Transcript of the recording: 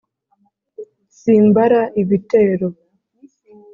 simbara ibitero